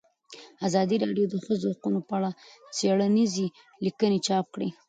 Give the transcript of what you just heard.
ازادي راډیو د د ښځو حقونه په اړه څېړنیزې لیکنې چاپ کړي.